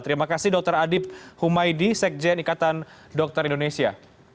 terima kasih dr adib humaydi sekjen ikatan dokter indonesia